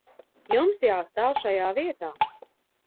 Jums jāstāv šajā vietā.